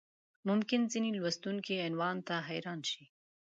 ممکن ځینې لوستونکي عنوان ته حیران شي.